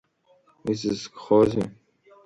Изызкхозеи?